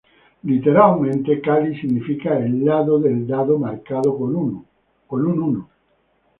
Literalmente "kali" significa ‘el lado del dado marcado con un uno’.